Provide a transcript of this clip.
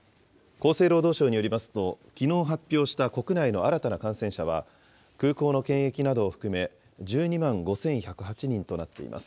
厚生労働省によりますと、きのう発表した国内の新たな感染者は、空港の検疫などを含め、１２万５１０８人となっています。